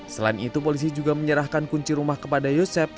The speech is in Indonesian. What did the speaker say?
selain itu polisi juga menyerahkan kunci rumah kepada yosep